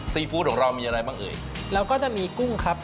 ซีฟู้ดของเรามีอะไรบ้างเอ่ยแล้วก็จะมีกุ้งครับ